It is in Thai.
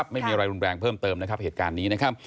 ไม่มีอะไรรุนแรงเพิ่มเติมนะครับเหตุการณ์นี้นะครับ